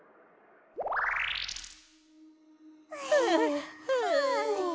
はあはあ。